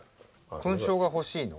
勲章が欲しいの？